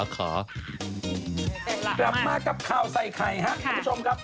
กลับมากับข่าวใส่ไข่ครับคุณผู้ชมครับ